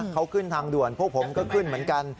เขาขึ้นทางด่วนพวกผมก็ขึ้นเหมือนกัน